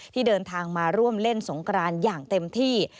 ที่เดินทางมาร่วมเล่นสงกรานอย่างเต็มที่